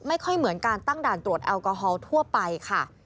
ไม่ค่อยเหมือนการตั้งด่านตรวจแอลกอฮอล์ทั่วไปค่ะ